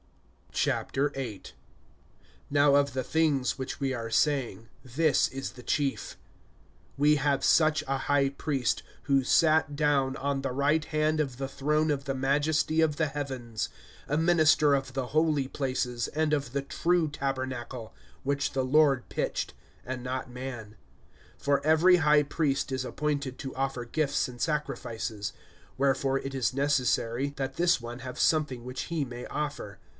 VIII. NOW of the things which we are saying, this is the chief: We have such a high priest, who sat down on the right hand of the throne of the Majesty of the heavens; (2)a minister of the holy places, and of the true tabernacle, which the Lord pitched, and not man. (3)For every high priest is appointed to offer gifts and sacrifices; wherefore it is necessary, that this one have something which he may offer.